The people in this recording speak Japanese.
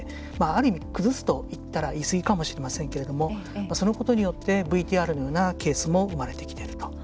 ある意味、崩すといったら言い過ぎかもしれませんけれどもそのことによってＶＴＲのようなケースも生まれてきていると。